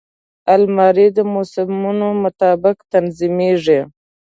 الماري د موسمونو مطابق تنظیمېږي